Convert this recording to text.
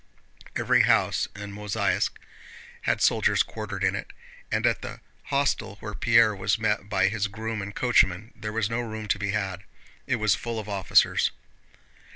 Every house in Mozháysk had soldiers quartered in it, and at the hostel where Pierre was met by his groom and coachman there was no room to be had. It was full of officers.